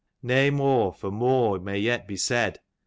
Nay more, for more may yet be said.